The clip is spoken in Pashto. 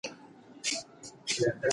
څېړنه باید په هنري ژبه ولیکل سي.